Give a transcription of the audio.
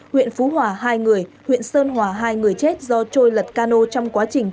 huyện phú hòa hai người huyện sơn hòa hai người chết do trôi lật cano trong quá trình